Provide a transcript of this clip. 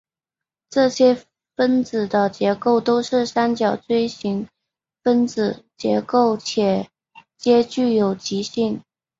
这些分子的结构都是三角锥形分子构型且皆具有极性。